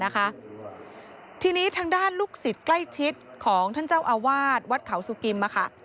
ทีนี้ทางด้านลูกศิษย์ใกล้ชิดของท่านเจ้าอาวาสวัดเขาสุกิม